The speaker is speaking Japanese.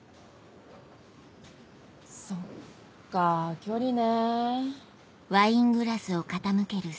そっかぁ距離ね。